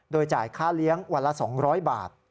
โดยจ่ายค่าเลี้ยงวันละ๒๐๐บาท